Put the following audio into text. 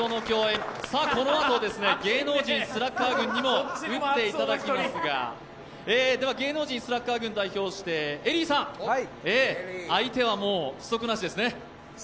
このあと、芸能人スラッガー軍にも打っていただきますが、芸能人スラッガー軍を代表して、ＥＬＬＹさん、相手はもう不足なしですね。